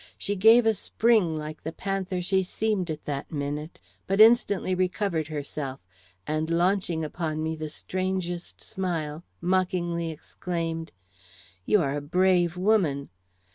She gave a spring like the panther she seemed at that minute, but instantly recovered herself, and launching, upon me the strangest smile, mockingly exclaimed: "You are a brave woman."